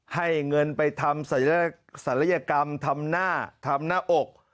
ให้เงินไปทำศัลยกรรมทำหน้าทำหน้าอก